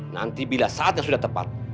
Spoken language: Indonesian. nanti bila saatnya sudah tepat